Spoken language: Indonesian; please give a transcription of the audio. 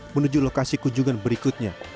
menuju lokasi kunjungan berikutnya